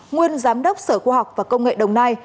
nguyên giám đốc sở khoa học và công nghệ đồng nai